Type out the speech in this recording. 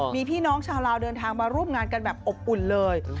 มีพี่น้องชาวลาวเดินทางมาร่วมงานกันแบบอบอุ่นเลย